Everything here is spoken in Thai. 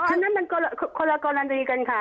อันนั้นมันคนละกรณีกันค่ะ